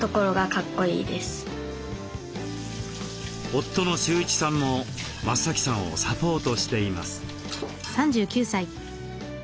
夫の秀一さんも増さんをサポートしています。